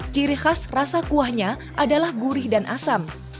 ciri khas rasa kuahnya adalah gurih dan asam